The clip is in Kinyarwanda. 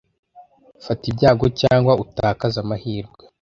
Fata ibyago cyangwa utakaze amahirwe.